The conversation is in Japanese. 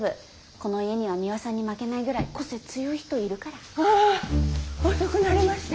この家にはミワさんに負けないぐらい個性強い人いるから。はあ遅くなりました。